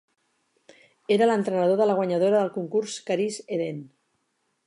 Era l'entrenador de la guanyadora del concurs Karise Eden.